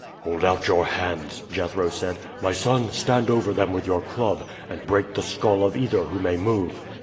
"Hold out your hands," Jethro said. "My son, stand over them with your club, and break the skull of either who may move."